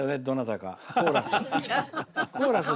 どなたか。